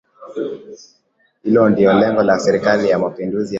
Hilo ndio lengo la Serikali ya Mapinduzi ya Zanzibar